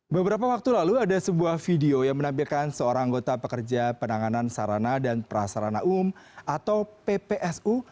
beberapa waktu lalu ada sebuah video yang menampilkan seorang anggota pekerja penanganan sarana dan prasarana umum atau ppsu